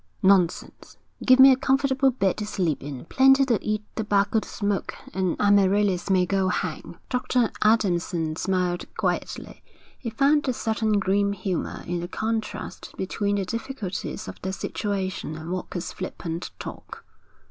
'Nonsense. Give me a comfortable bed to sleep in, plenty to eat, tobacco to smoke; and Amaryllis may go hang.' Dr. Adamson smiled quietly. He found a certain grim humour in the contrast between the difficulties of their situation and Walker's flippant talk.